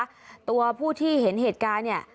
ตัวผู้ที่เห็นเหตุการณ์เนี่ย